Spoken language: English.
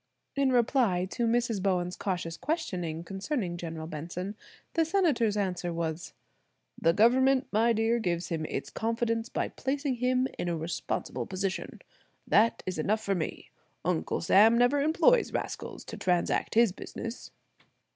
In reply to Mrs. Bowen's cautious questioning concerning General Benson, the Senator's answer was: "The government, my dear, gives him its confidence by placing him in a responsible position. That is enough for me. Uncle Sam never employs rascals to transact his business."